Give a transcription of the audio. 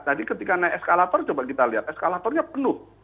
tadi ketika naik eskalator coba kita lihat eskalatornya penuh